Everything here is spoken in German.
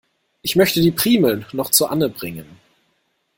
Ich möchte die Primeln noch zu Anne bringen.